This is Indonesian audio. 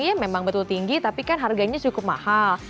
iya memang betul tinggi tapi kan harganya cukup mahal